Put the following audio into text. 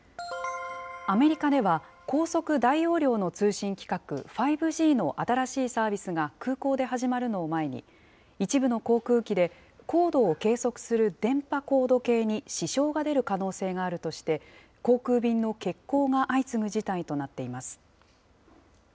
アメリカでは、高速・大容量の通信規格、５Ｇの新しいサービスが空港で始まるのを前に、一部の航空機で、高度を計測する電波高度計に支障が出る可能性があるとして、航空便の欠航が相次ぐ事態となっています。